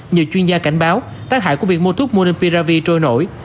nhiều chuyên gia cảnh báo tác hại của việc mua thuốc monubiravir trôi nổi